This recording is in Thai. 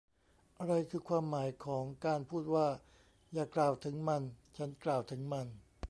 อะไรคือความหมายของการพูดว่า อย่ากล่าวถึงมัน ฉันกล่าวถึงมัน